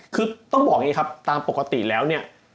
คือต้องบอกอย่างนี้ครับตามปกติแล้วเนี่ย